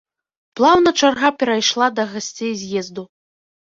Плаўна чарга перайшла да гасцей з'езду.